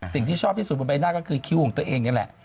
สิ่งที่ชอบที่สุดบนใบหน้าก็คือคิ้วของตัวเองนี่แหละ